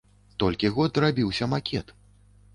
Толькі год рабіўся макет.